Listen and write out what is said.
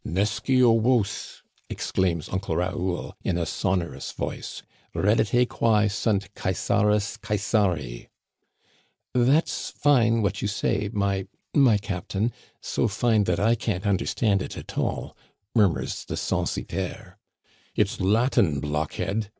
Nescio vos !" exclaims Uncle Raoul in a sonorous voice ;" reddite quce sunt Cœsaris Cœsariy "That's fine what you say, my — my captain, so fine that I can't understand it at all," murmurs the censi taire, " It's Latin, blockhead